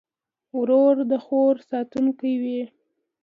ورور د خور ساتونکی وي.